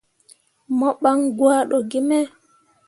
Mo ɓan gwado gi me.